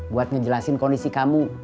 buat ngejelasin kondisi kamu